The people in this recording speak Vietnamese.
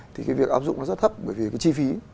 thì cái việc áp dụng nó rất thấp bởi vì cái chi phí